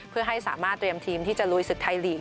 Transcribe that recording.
เพื่อให้สามารถเตรียมทีมที่จะลุยศึกไทยลีก